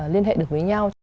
liên hệ được với nhau